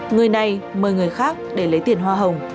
người này mời người khác để lấy tiền hoa hồng